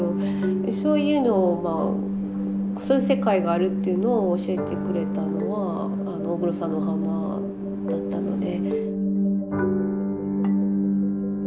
でそういうのをそういう世界があるっていうのを教えてくれたのは大黒さんのお花だったので。